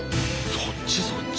そっちそっち！